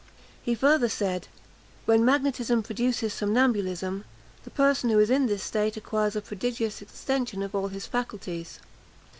He further said, "When magnetism produces somnambulism, the person who is in this state acquires a prodigious extension of all his faculties.